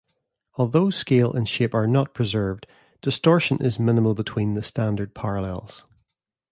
Although scale and shape are not preserved, distortion is minimal between the standard parallels.